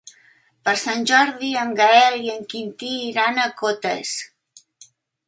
Per Sant Jordi en Gaël i en Quintí iran a Cotes.